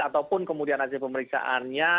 ataupun kemudian hasil pemeriksaannya